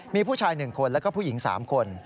มีผู้ชาย๑คนแล้วก็ผู้หญิง๓คน